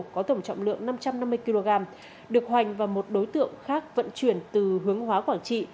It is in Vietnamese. có tổng trọng lượng năm trăm năm mươi kg được hoành và một đối tượng khác vận chuyển từ hướng hóa quảng trị